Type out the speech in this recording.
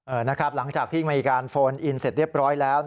หลังจากที่มีการโฟนอินเสร็จเรียบร้อยแล้ว